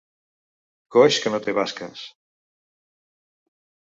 Coix que no té basques.